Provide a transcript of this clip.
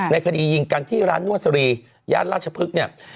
ในคดียิงกันที่ร้านนวดสรีย่านราชพฤกษ์เนี่ย